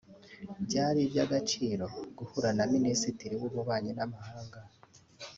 Byari iby’agaciro guhura na Minisitiri w’Ububanyi n’Amahanga